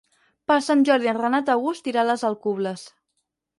Per Sant Jordi en Renat August irà a les Alcubles.